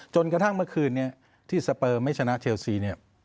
จนกระทั่งเมื่อคืนนี้ที่สเปอร์ไม่ชนะเชลซีเนี่ย